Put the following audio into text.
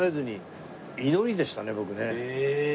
へえ。